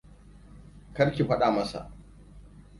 Kar ki faɗa masa.